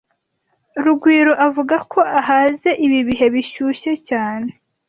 Rugwiro avuga ko ahaze ibi bihe bishyushye cyane